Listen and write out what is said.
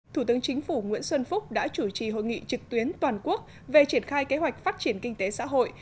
thủ tướng chính phủ nguyễn xuân phúc đã chủ trì hội nghị trực tuyến toàn quốc về triển khai kế hoạch phát triển kinh tế xã hội